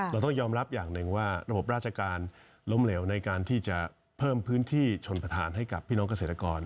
เราต้องยอมรับอย่างหนึ่งว่าระบบราชการล้มเหลวในการที่จะเพิ่มพื้นที่ชนประธานให้กับพี่น้องเกษตรกร